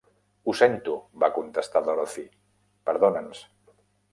"Ho sento", va contestar Dorothy, "perdona"ns".